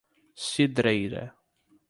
Cidreira